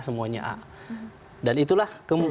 punya a dan itulah